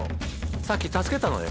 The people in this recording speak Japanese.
さっき助けたのよ。